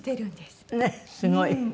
すごい。